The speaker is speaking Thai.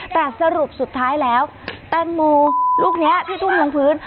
แต่สรุปสุดท้ายแล้วแตงโมลูกนี้ที่ทุ่มลงพื้น